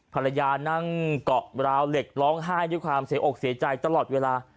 ภรรยานั่งเกาะราวเหล็กร้องไห้ด้วยความเสียอกเสียใจตลอดเวลา